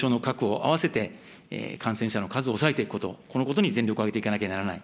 あわせて感染者の数を抑えていくこと、このことに全力を挙げていかなきゃならない。